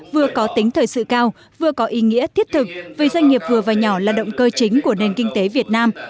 vừa có tính thời sự cao vừa có ý nghĩa thiết thực vì doanh nghiệp vừa và nhỏ là động cơ chính của nền kinh tế việt nam